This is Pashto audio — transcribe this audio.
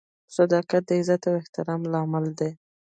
• صداقت د عزت او احترام لامل دی.